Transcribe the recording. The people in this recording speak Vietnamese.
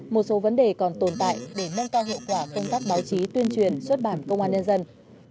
một số vấn đề còn tồn tại để nâng cao hiệu quả công tác báo chí tuyên truyền xuất bản công an nhân dân